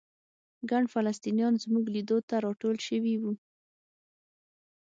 ګڼ فلسطینیان زموږ لیدو ته راټول شوي وو.